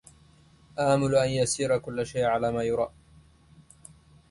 آمل أن يسير كل شيء على ما يرام